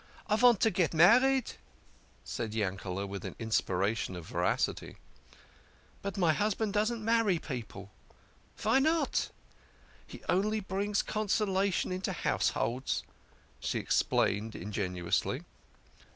" I vant to get married," said Yankel with an inspiration of veracity. " But my husband doesn't marry people." "Vy not?" " He only brings consolation into households," she ex plained ingenuously.